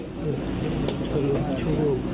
ครับ